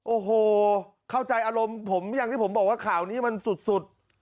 โอ้โหเข้าใจอารมณ์ผมอย่างที่ผมบอกว่าข่าวนี้มันสุด